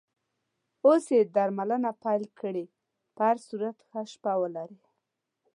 اوس یې درملنه پیل کړې، په هر صورت ښه شپه ولرې.